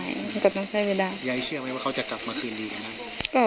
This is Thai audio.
ยายเชื่อไหมว่าเขาจะกลับมาคืนดีกันนะ